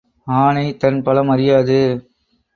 ஆனை தன் பலம் அறியாது.